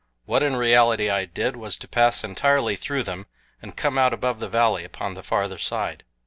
What, in reality, I did was to pass entirely through them and come out above the valley upon the farther side.